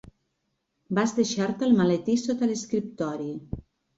Vas deixar-te el maletí sota l'escriptori.